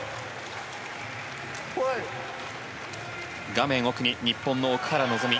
画面奥に日本の奥原希望。